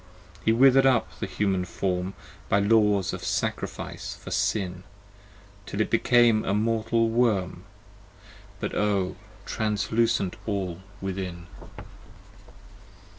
70 He wither'd up the Human Form, By laws of sacrifice for sin, Till it became a Mortal Worm; But O! translucent all within.